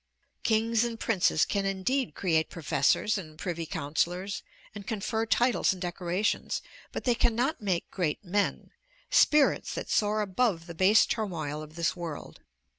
Kings and princes can indeed create professors and privy councillors, and confer titles and decorations, but they cannot make great men, spirits that soar above the base turmoil of this world.